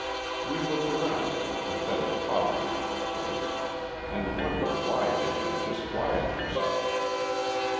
We looked around at the pathetic poverty of the place and wondered why they should disquiet themselves.